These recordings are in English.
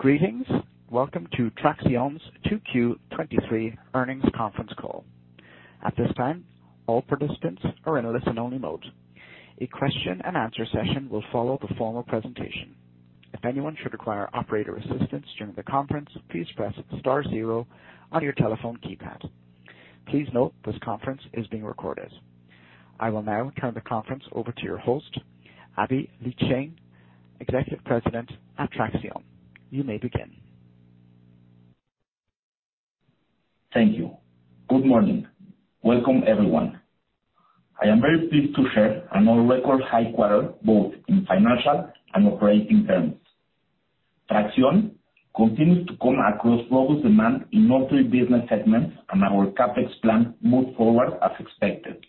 Greetings. Welcome to Traxión's 2Q 23 earnings conference call. At this time, all participants are in a listen-only mode. A question and answer session will follow the formal presentation. If anyone should require operator assistance during the conference, please press star zero on your telephone keypad. Please note, this conference is being recorded. I will now turn the conference over to your host, Aby Lijtszain, Executive President at Traxión. You may begin. Thank you. Good morning. Welcome, everyone. I am very pleased to share another record high quarter, both in financial and operating terms. Traxión continues to come across global demand in all three business segments. Our CapEx plan moved forward as expected.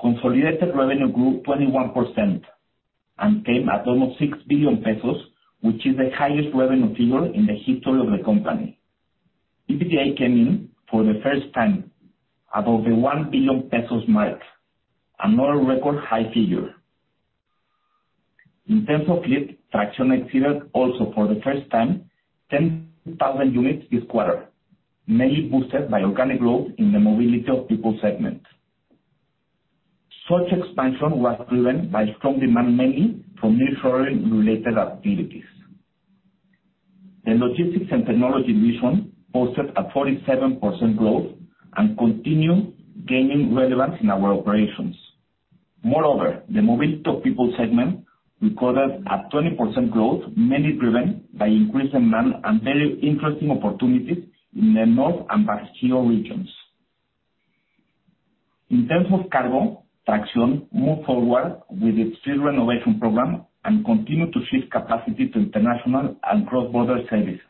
Consolidated revenue grew 21% and came at almost 6 billion pesos, which is the highest revenue figure in the history of the company. EBITDA came in for the first time above the 1 billion pesos mark, another record high figure. In terms of fleet, Traxión exceeded also for the first time, 10,000 units this quarter, mainly boosted by organic growth in the mobility of people segment. Such expansion was driven by strong demand, mainly from nearshoring-related activities. The logistics and technology division posted a 47% growth and continue gaining relevance in our operations. Moreover, the mobility of people segment recorded a 20% growth, mainly driven by increasing demand and very interesting opportunities in the North and Bajío regions. In terms of cargo, Traxión moved forward with its fleet renovation program and continued to shift capacity to international and cross-border services,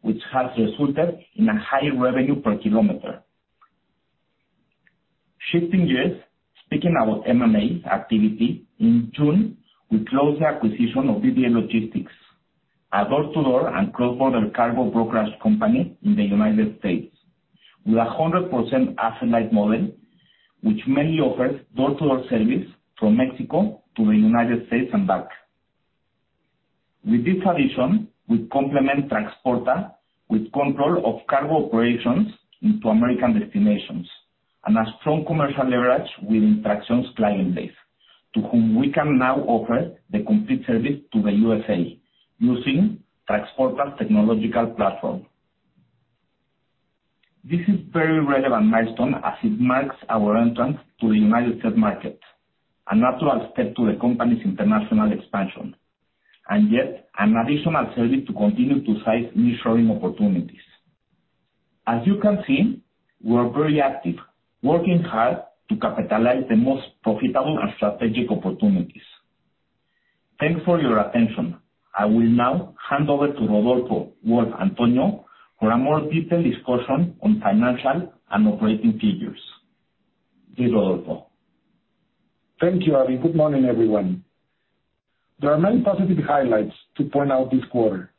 which has resulted in a higher revenue per kilometer. Shifting gears, speaking about M&A activity, in June, we closed the acquisition of BBA Logistics, a door-to-door and cross-border cargo brokerage company in the United States, with a 100% asset-light model, which mainly offers door-to-door service from Mexico to the United States and back. With this addition, we complement Traxporta with control of cargo operations into American destinations, and a strong commercial leverage within Traxión's client base, to whom we can now offer the complete service to the USA using Traxporta's technological platform. This is very relevant milestone as it marks our entrance to the United States market, a natural step to the company's international expansion, and yet an additional service to continue to seize nearshoring opportunities. As you can see, we are very active, working hard to capitalize the most profitable and strategic opportunities. Thanks for your attention. I will now hand over to Rodolfo, Wolf, Antonio, for a more detailed discussion on financial and operating figures. Here's Rodolfo. Thank you, Aby. Good morning, everyone. There are many positive highlights to point out this quarter.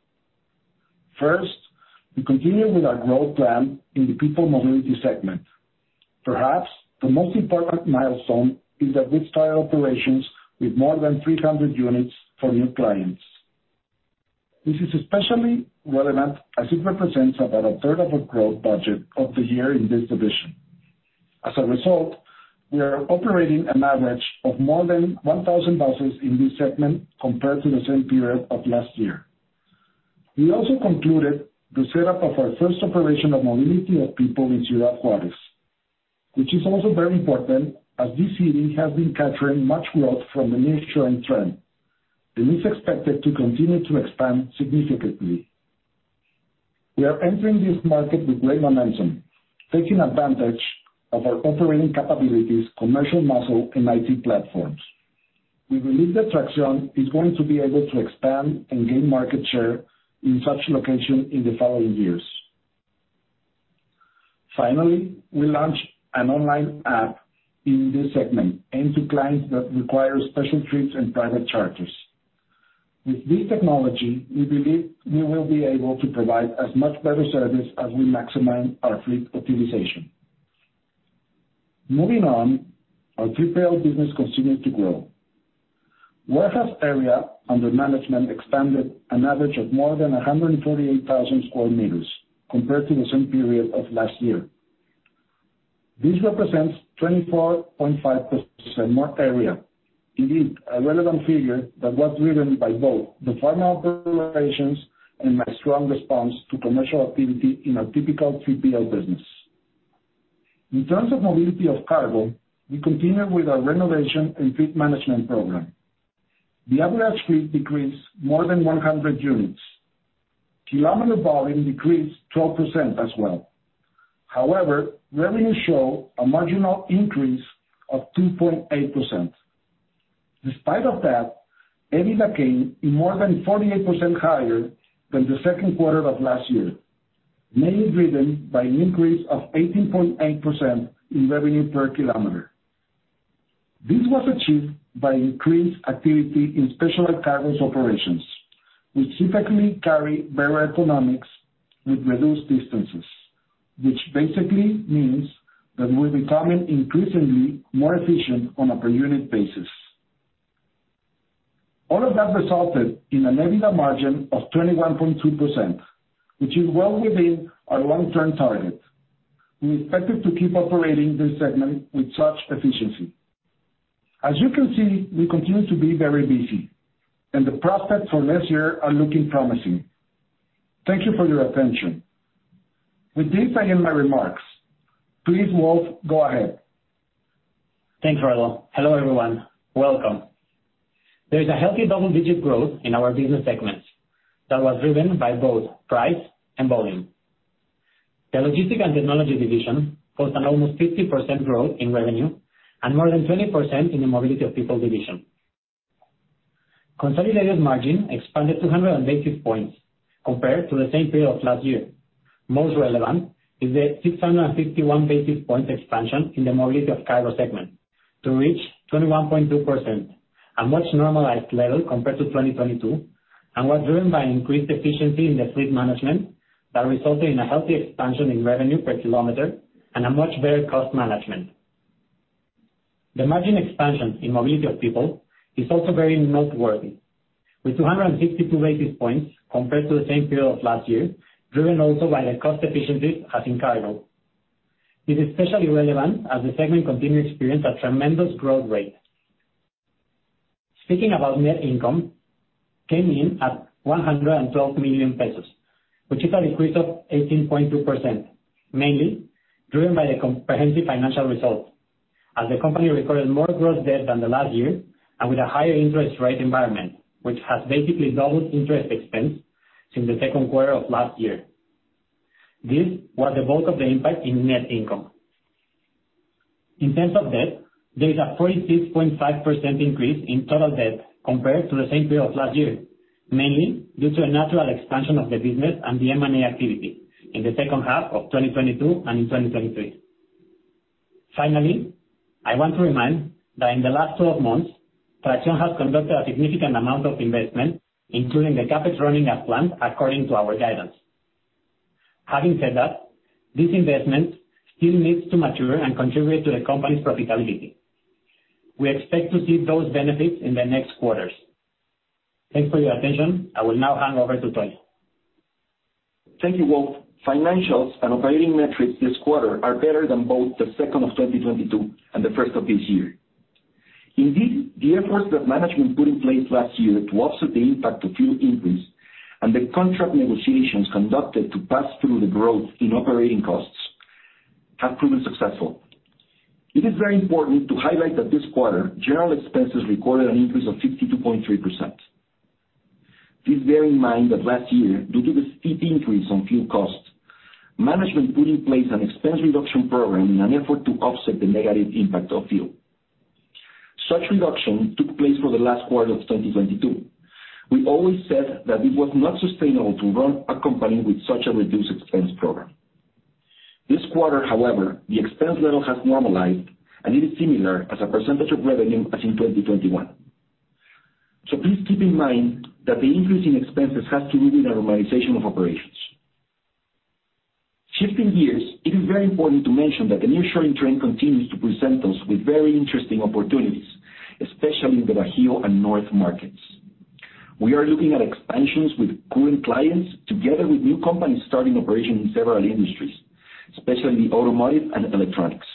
First, we continue with our growth plan in the people mobility segment. Perhaps, the most important milestone is that we start operations with more than 300 units for new clients. This is especially relevant as it represents about a third of our growth budget of the year in this division. As a result, we are operating an average of more than 1,000 buses in this segment compared to the same period of last year. We also concluded the setup of our first operation of mobility of people in Ciudad Juárez, which is also very important as this city has been capturing much growth from the nearshoring trend, and is expected to continue to expand significantly. We are entering this market with great momentum, taking advantage of our operating capabilities, commercial muscle, and IT platforms. We believe that Traxión is going to be able to expand and gain market share in such location in the following years. Finally, we launched an online app in this segment, aimed to clients that require special trips and private charters. With this technology, we believe we will be able to provide as much better service as we maximize our fleet optimization. Moving on, our TPL business continues to grow. Warehouse area under management expanded an average of more than 148,000 square meters compared to the same period of last year. This represents 24.5% more area. Indeed, a relevant figure that was driven by both the final operations and a strong response to commercial activity in our typical TPL business. In terms of mobility of cargo, we continue with our renovation and fleet management program. The average fleet decreased more than 100 units. Kilometer volume decreased 12% as well. However, revenue show a marginal increase of 2.8%. Despite of that, EBITDA came in more than 48% higher than the second quarter of last year, mainly driven by an increase of 18.8% in revenue per kilometer. This was achieved by increased activity in specialized cargos operations, which typically carry better economics with reduced distances.... which basically means that we're becoming increasingly more efficient on a per unit basis. All of that resulted in an EBITDA margin of 21.2%, which is well within our long-term target. We expected to keep operating this segment with such efficiency. As you can see, we continue to be very busy, and the prospects for next year are looking promising. Thank you for your attention. With this, I end my remarks. Please, Wolf, go ahead. Thanks, Rodolfo. Hello, everyone. Welcome. There is a healthy double-digit growth in our business segments that was driven by both price and volume. The logistics and technology division post an almost 50% growth in revenue and more than 20% in the mobility of people division. Consolidated margin expanded 280 points compared to the same period of last year. Most relevant is the 651 basis point expansion in the mobility of cargo segment to reach 21.2%, a much normalized level compared to 2022, and was driven by increased efficiency in the fleet management that resulted in a healthy expansion in revenue per kilometer and a much better cost management. The margin expansion in mobility of people is also very noteworthy, with 262 basis points compared to the same period of last year, driven also by the cost efficiencies as in cargo. It is especially relevant as the segment continued to experience a tremendous growth rate. Speaking about net income, came in at 112 million pesos, which is an increase of 18.2%, mainly driven by the comprehensive financial results, as the company recorded more gross debt than the last year and with a higher interest rate environment, which has basically doubled interest expense since the second quarter of last year. This was the bulk of the impact in net income. In terms of debt, there is a 46.5% increase in total debt compared to the same period of last year, mainly due to a natural expansion of the business and the M&A activity in the second half of 2022 and in 2023. I want to remind that in the last 12 months, Traxión has conducted a significant amount of investment, including the CapEx, running as planned according to our guidance. Having said that, this investment still needs to mature and contribute to the company's profitability. We expect to see those benefits in the next quarters. Thanks for your attention. I will now hand over to Toño. Thank you, Wolf. Financials and operating metrics this quarter are better than both the second of 2022 and the first of this year. Indeed, the efforts that management put in place last year to offset the impact of fuel increase and the contract negotiations conducted to pass through the growth in operating costs have proven successful. It is very important to highlight that this quarter, general expenses recorded an increase of 52.3%. Please bear in mind that last year, due to the steep increase on fuel costs, management put in place an expense reduction program in an effort to offset the negative impact of fuel. Such reduction took place for the last quarter of 2022. We always said that it was not sustainable to run a company with such a reduced expense program. This quarter, however, the expense level has normalized, and it is similar as a percentage of revenue as in 2021. Please keep in mind that the increase in expenses has to do with the normalization of operations. Shifting gears, it is very important to mention that the nearshoring trend continues to present us with very interesting opportunities, especially in the Bajio and North markets. We are looking at expansions with current clients, together with new companies starting operation in several industries, especially the automotive and electronics.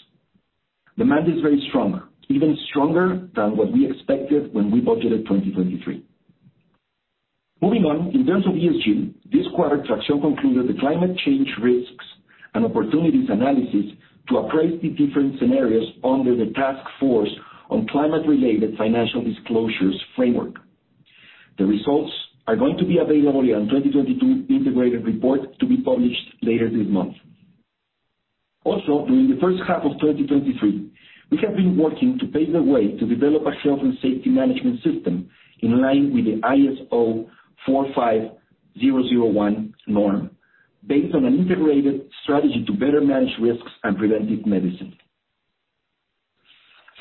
Demand is very strong, even stronger than what we expected when we budgeted 2023. Moving on, in terms of ESG, this quarter, Traxión concluded the climate change risks and opportunities analysis to appraise the different scenarios under the task force on climate-related financial disclosures framework. The results are going to be available on the 2022 integrated report to be published later this month. During the first half of 2023, we have been working to pave the way to develop a health and safety management system in line with the ISO 45001 norm, based on an integrated strategy to better manage risks and preventive medicine.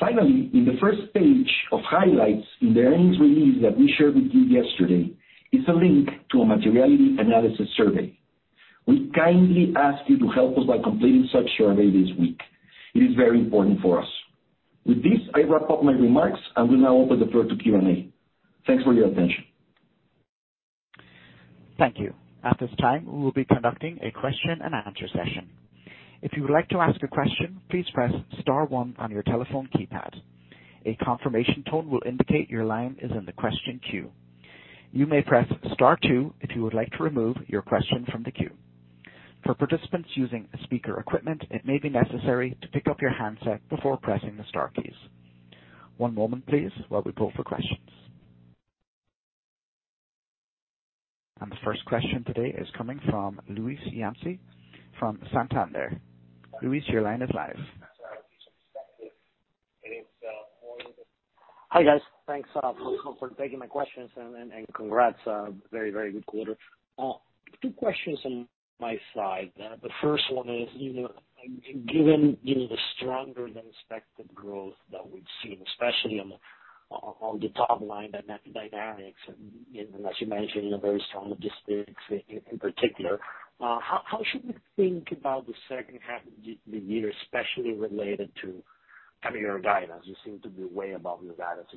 In the first page of highlights in the earnings release that we shared with you yesterday, is a link to a materiality analysis survey. We kindly ask you to help us by completing such survey this week. It is very important for us. With this, I wrap up my remarks and will now open the floor to Q&A. Thanks for your attention. Thank you. At this time, we will be conducting a question-and-answer session. If you would like to ask a question, please press star one on your telephone keypad. A confirmation tone will indicate your line is in the question queue. You may press star two if you would like to remove your question from the queue. For participants using speaker equipment, it may be necessary to pick up your handset before pressing the star keys. One moment, please, while we pull for questions. The first question today is coming from Luis Yance from Santander. Luis, your line is live. Hi, guys. Thanks for taking my questions and congrats, very good quarter. Two questions on my side. The first one is, you know, given, you know, the stronger than expected growth that we've seen, especially on the top line, the net dynamics, and as you mentioned, in a very strong logistics in particular. How should we think about the second half of the year, especially related to kind of your guidance? You seem to be way above your guidance.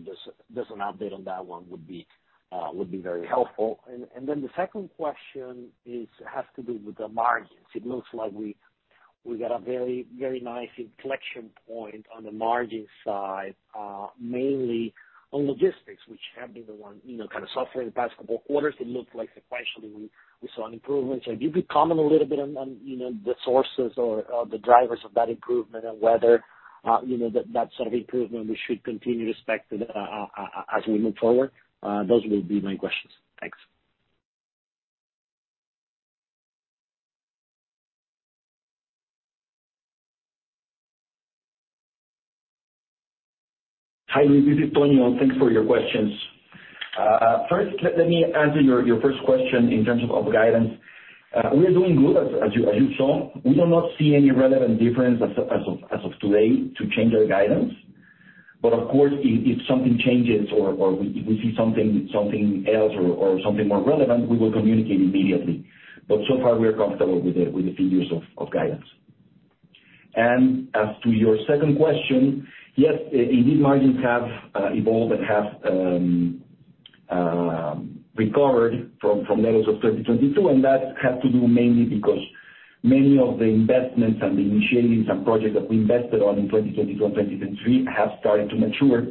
Just an update on that one would be very helpful. The second question has to do with the margins. It looks like we got a very, very nice inflection point on the margin side, mainly on logistics, which have been the one, you know, kind of suffering the past couple quarters. It looks like sequentially we saw an improvement. Could you comment a little bit on, you know, the sources or the drivers of that improvement and whether, you know, that sort of improvement we should continue to expect as we move forward? Those will be my questions. Thanks. Hi, this is Toño. Thanks for your questions. First, let me answer your first question in terms of guidance. We're doing good as you saw. We do not see any relevant difference as of today to change our guidance. Of course, if something changes or if we see something else or something more relevant, we will communicate immediately. So far, we are comfortable with the figures of guidance. As to your second question, yes, indeed, margins have evolved and have recovered from levels of 2022, and that has to do mainly because many of the investments and the initiatives and projects that we invested on in 2022, 2023 have started to mature.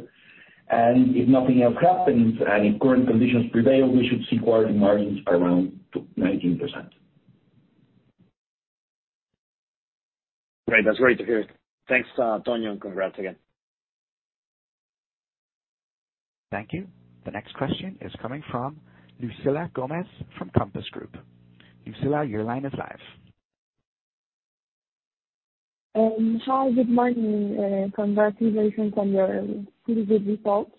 If nothing else happens, and if current conditions prevail, we should see quarter margins around to 19%. Great. That's great to hear. Thanks, Toño, and congrats again. Thank you. The next question is coming from Lucila Gomez, from Compass Group. Lucila, your line is live. Hi, good morning, congratulations on your pretty good results.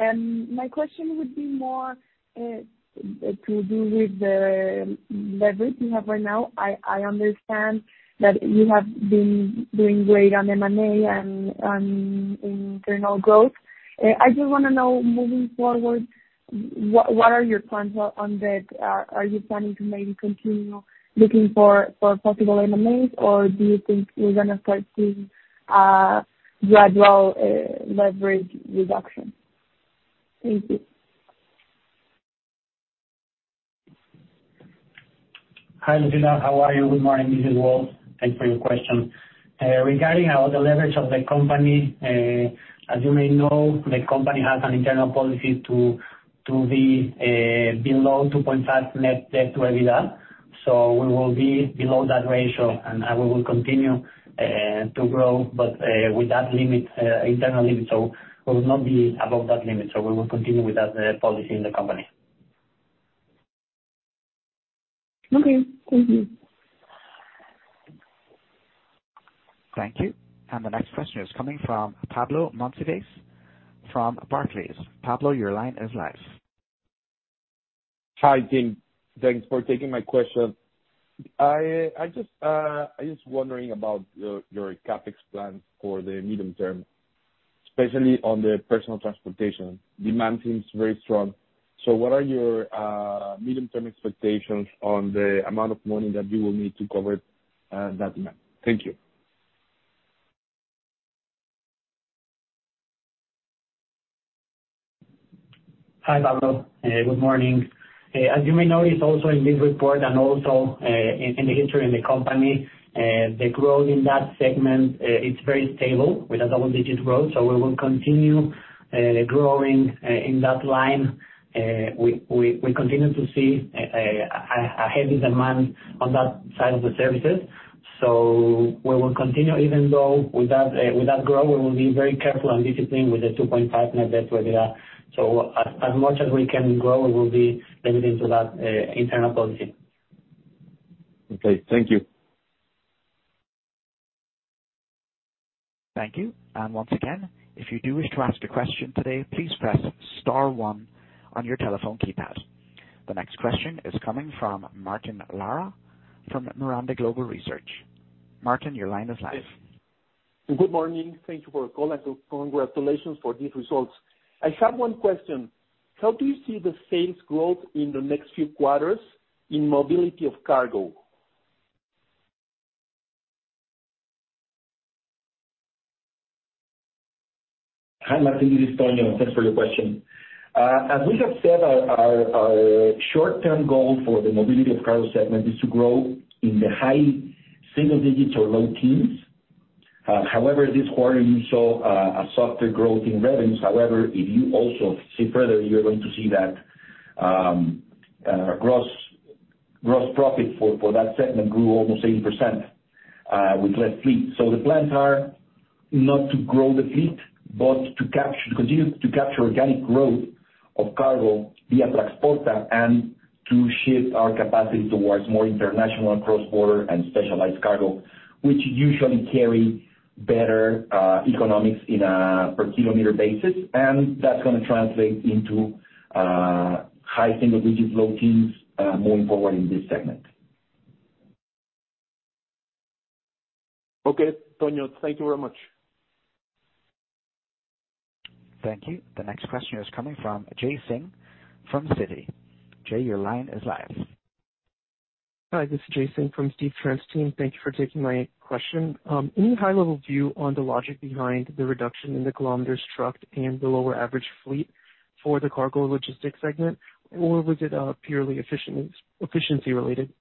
My question would be more to do with the leverage you have right now. I understand that you have been doing great on M&A and in internal growth. I just wanna know, moving forward, what are your plans on that? Are you planning to maybe continue looking for possible M&As, or do you think you're gonna start seeing gradual leverage reduction? Thank you. Hi, Lucila. How are you? Good morning, this is Wolf. Thanks for your question. Regarding how the leverage of the company, as you may know, the company has an internal policy to be below 2.5 net debt to EBITDA. We will be below that ratio, and we will continue to grow, but with that limit, internal limit. We will not be above that limit, so we will continue with that policy in the company. Okay, thank you. Thank you. The next question is coming from Pablo Monsivais from Barclays. Pablo, your line is live. Hi, team. Thanks for taking my question. I just wondering about your CapEx plans for the medium term, especially on the personal transportation. Demand seems very strong, what are your medium-term expectations on the amount of money that you will need to cover that demand? Thank you. Hi, Pablo, good morning. As you may know, it's also in this report and also, in the history of the company, the growth in that segment, it's very stable with a double-digit growth, we will continue growing in that line. We continue to see a heavy demand on that side of the services. We will continue, even though with that, with that growth, we will be very careful and disciplined with the 2.5 net debt to EBITDA. As much as we can grow, we will be limited to that internal policy. Okay, thank you. Thank you. Once again, if you do wish to ask a question today, please press star 1 on your telephone keypad. The next question is coming from Martín Lara from Miranda Global Research. Martín, your line is live. Good morning. Thank you for the call and congratulations for these results. I have one question: How do you see the sales growth in the next few quarters in mobility of cargo? Hi, Martín, this is Toño. Thanks for your question. As we have said, our short-term goal for the mobility of cargo segment is to grow in the high single digits or low teens. This quarter you saw a softer growth in revenues. If you also see further, you're going to see that gross profit for that segment grew almost 8% with less fleet. The plans are not to grow the fleet, but to continue to capture organic growth of cargo via Traxporta and to shift our capacity towards more international cross-border and specialized cargo, which usually carry better economics in a per-kilometer basis. That's gonna translate into high single digits, low teens, moving forward in this segment. Okay, Toño, thank you very much. Thank you. The next question is coming from Jay Singh from Citi. Jay, your line is live. Hi, this is Jay Singh from Steve Trent's team. Thank you for taking my question. Any high-level view on the logic behind the reduction in the kilometers trucked and the lower average fleet for the cargo logistics segment? Was it purely efficiency-related?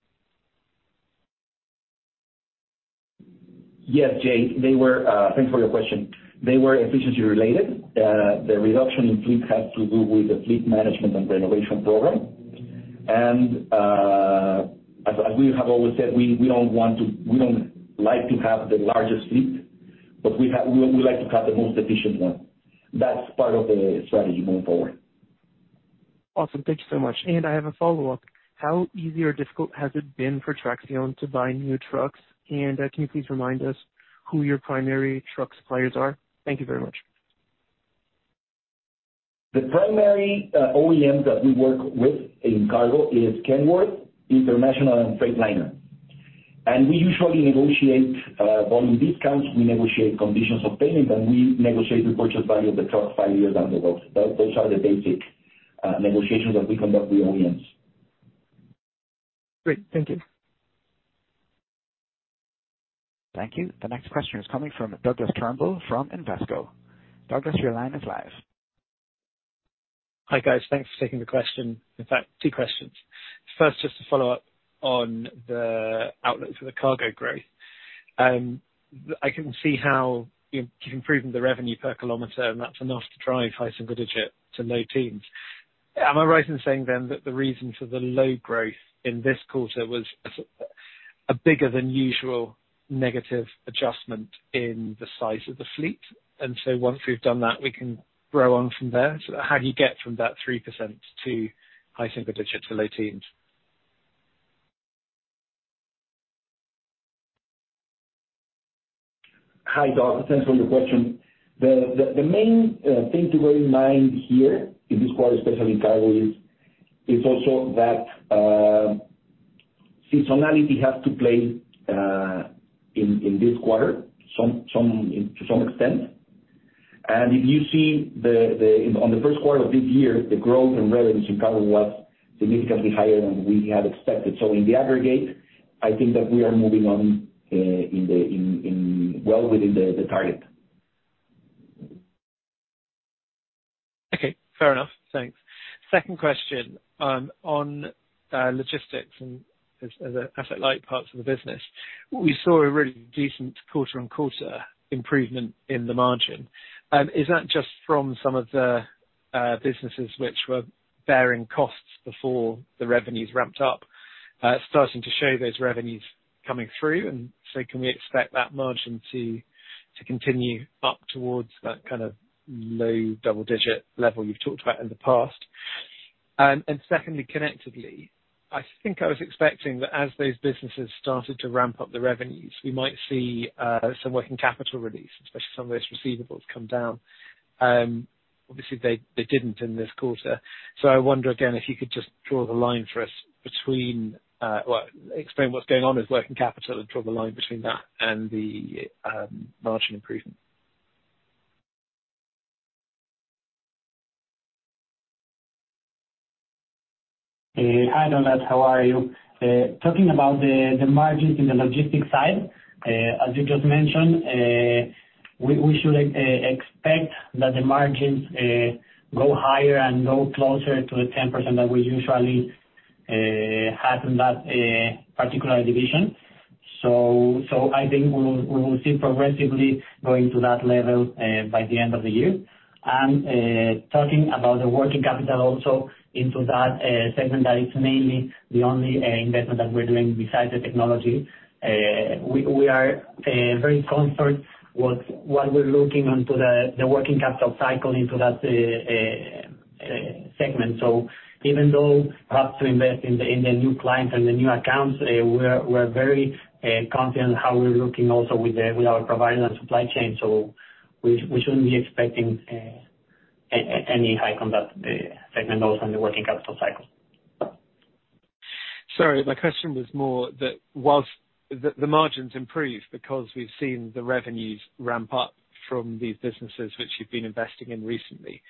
Yes, Jay. They were. Thanks for your question. They were efficiency-related. The reduction in fleet has to do with the fleet management and renovation program. As we have always said, we don't like to have the largest fleet, but we like to have the most efficient one. That's part of the strategy moving forward. Awesome. Thank you so much. I have a follow-up. How easy or difficult has it been for Traxión to buy new trucks? Can you please remind us who your primary truck suppliers are? Thank you very much. The primary OEM that we work with in cargo is Kenworth, International, and Freightliner. We usually negotiate, volume discounts, we negotiate conditions of payment, and we negotiate the purchase value of the truck five years down the road. Those are the basic, negotiations that we conduct with OEMs. Great. Thank you. Thank you. The next question is coming from Douglas Turnbull from Invesco. Douglas, your line is live. Hi, guys. Thanks for taking the question. In fact, two questions. First, just to follow up on the outlook for the cargo growth. I can see how you're improving the revenue per kilometer, and that's enough to drive high single-digit to low teens. Am I right in saying then that the reason for the low growth in this quarter was a bigger than usual negative adjustment in the size of the fleet? Once we've done that, we can grow on from there. How do you get from that 3% to high single-digit to low teens? Hi, Doug. Thanks for your question. The main thing to bear in mind here, in this quarter, especially in cargo, is also that seasonality has to play in this quarter, some to some extent. If you see on the first quarter of this year, the growth in revenues in cargo was significantly higher than we had expected. In the aggregate, I think that we are moving on in the well within the target. Okay, fair enough. Thanks. Second question, on logistics and as an asset-light parts of the business, we saw a really decent quarter-on-quarter improvement in the margin. Is that just from some of the businesses which were bearing costs before the revenues ramped up, starting to show those revenues coming through? Can we expect that margin to continue up towards that kind of low double-digit level you've talked about in the past? Secondly, connectedly, I think I was expecting that as those businesses started to ramp up the revenues, we might see some working capital release, especially some of those receivables come down. Obviously, they didn't in this quarter. I wonder again, if you could just draw the line for us between, well, explain what's going on with working capital and draw the line between that and the margin improvement. Hi, Douglas, how are you? Talking about the margins in the logistics side, as you just mentioned, we should expect that the margins go higher and go closer to the 10% that we usually have in that particular division. I think we will see progressively going to that level by the end of the year. Talking about the working capital also into that segment, that is mainly the only investment that we're doing besides the technology. We are very comfort with what we're looking into the working capital cycle into that segment. Even though we have to invest in the, in the new clients and the new accounts, we're very confident how we're looking also with our providers and supply chain. We shouldn't be expecting any high CapEx segment, both on the working capital cycle. Sorry, my question was more that whilst the margins improved because we've seen the revenues ramp up from these businesses which you've been investing in recently.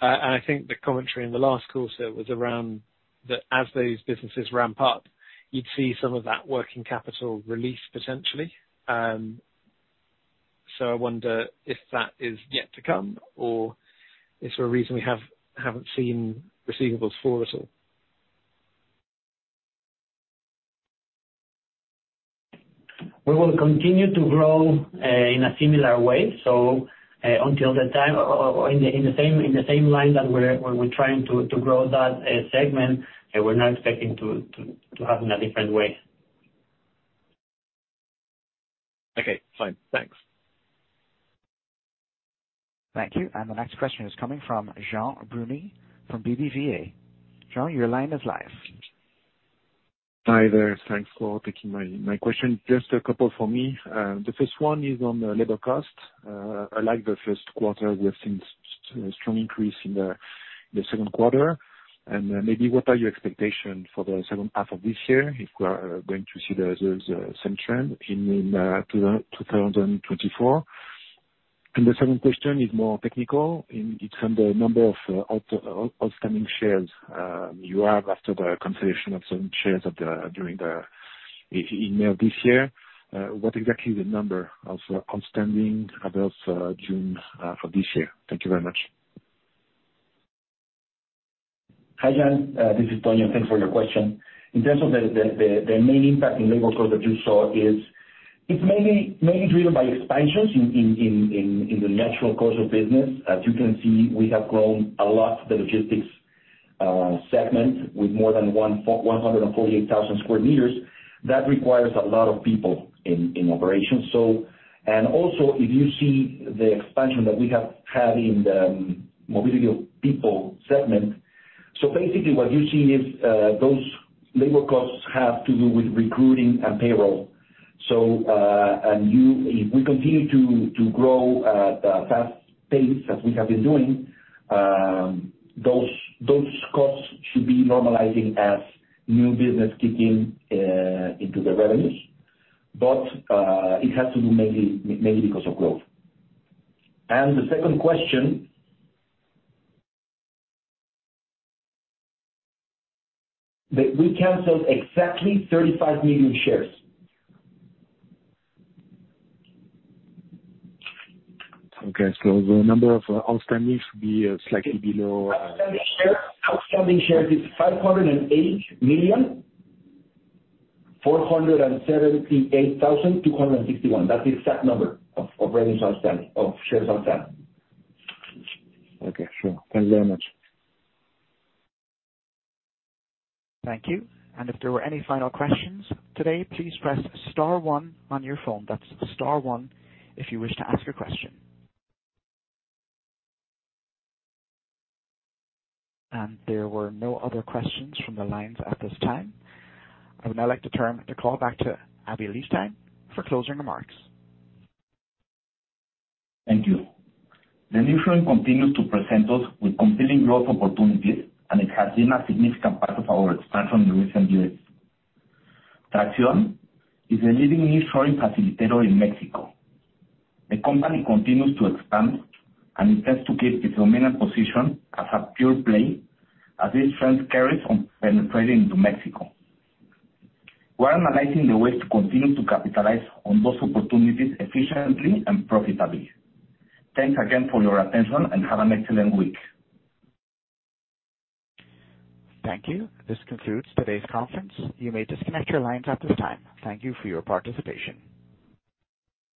I think the commentary in the last quarter was around that as those businesses ramp up, you'd see some of that working capital release potentially. I wonder if that is yet to come or is there a reason we haven't seen receivables fall at all? We will continue to grow in a similar way. Until the time or in the same line that we're trying to grow that segment, we're not expecting to have in a different way. Okay, fine. Thanks. Thank you. The next question is coming from Jean Bruny, from BBVA. Jean, your line is live. Hi there. Thanks for taking my question. Just a couple for me. The first one is on the labor cost. Unlike the first quarter, we have seen strong increase in the second quarter, maybe what are your expectations for the second half of this year, if we are going to see the same trend in 2024? The second question is more technical, and it's on the number of outstanding shares you have after the consolidation of some shares of the, during May of this year. What exactly the number of outstanding as of June for this year? Thank you very much. Hi, Jean, this is Toño. Thanks for your question. In terms of the main impact in labor cost that you saw is, it's mainly driven by expansions in the natural course of business. As you can see, we have grown a lot the logistics segment, with more than 148,000 square meters. That requires a lot of people in operations. Also, if you see the expansion that we have had in the mobility of people segment, basically what you're seeing is, those labor costs have to do with recruiting and payroll. If we continue to grow fast pace as we have been doing, those costs should be normalizing as new business kick in into the revenues. It has to do mainly because of growth. The second question. We canceled exactly 35 million shares. Okay. The number of outstandings will be, slightly below. Outstanding shares is 508,478,261. That's the exact number of shares outstanding. Okay, sure. Thank you very much. Thank you. If there were any final questions today, please press star one on your phone. That's star one if you wish to ask a question. There were no other questions from the lines at this time. I would now like to turn the call back to Aby Lijtszain for closing remarks. Thank you. The new trend continues to present us with compelling growth opportunities, and it has been a significant part of our expansion in recent years. Traxión is a leading insurance intermediary in Mexico. The company continues to expand and intends to keep its dominant position as a pure play as this trend carries on penetrating into Mexico. We're analyzing the ways to continue to capitalize on those opportunities efficiently and profitably. Thanks again for your attention, and have an excellent week. Thank you. This concludes today's conference. You may disconnect your lines at this time. Thank you for your participation.